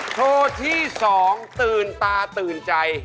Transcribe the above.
โชว์ที่๒ตื่นตาตื่นใจ